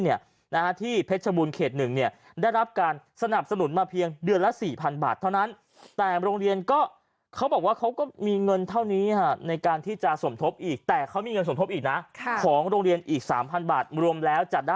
ไม่มีคนไปสมัครเลยเพราะว่าเขาก็ติดที่เรื่องของเงินเดือน